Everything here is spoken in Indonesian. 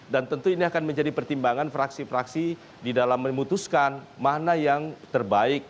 dan tentu ini akan menjadi pertimbangan fraksi fraksi di dalam memutuskan mana yang terbaik